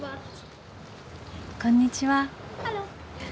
こんにちは。